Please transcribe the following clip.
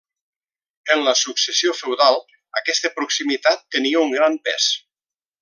En la successió feudal, aquesta proximitat tenia un gran pes.